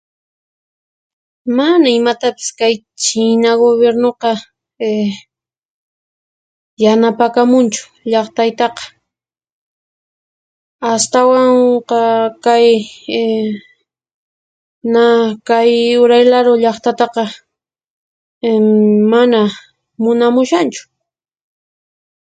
Manan imatapis kay china gubirnuqa ehh yanapakamunchu llaqtaytaqa, astawanqa kay ehh naa kay uray laru llaqtataqa ehm mana munamushanchu.